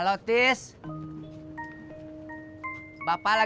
ineku tinggal masuk dulu